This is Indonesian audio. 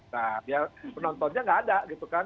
nah ya penontonnya nggak ada gitu kan